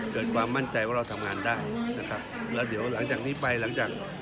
เกิดความมั่นใจว่าเราทำงานได้นะครับแล้วเดี๋ยวหลังจากนี้ไปหลังจาก